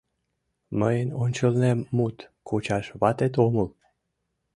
— Мыйын ончылнем мут кучаш ватет омыл!